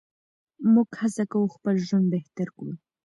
موږ هڅه کوو خپل ژوند بهتر کړو.